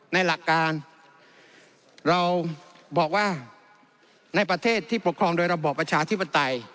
หลักการเราบอกว่าในประเทศที่ปกครองโดยระบอบประชาธิปไตย